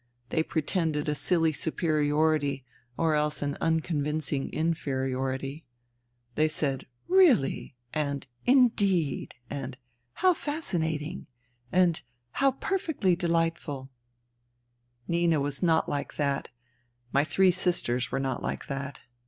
They pretended a silly superiority or else an unconvincing inferiority. They said ^'Really?'* and " Indeed ?" and " How fascinating I " and *' How perfectly delightful 1 " Nina was not like that. My three sisters were not like that.